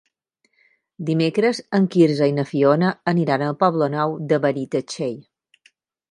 Dimecres en Quirze i na Fiona aniran al Poble Nou de Benitatxell.